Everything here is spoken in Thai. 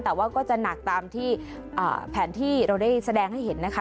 แต่ว่าก็จะหนักตามที่แผนที่เราได้แสดงให้เห็นนะคะ